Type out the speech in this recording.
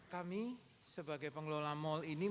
kami sebagai pengelola mal ini